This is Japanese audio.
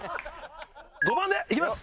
５番でいきます！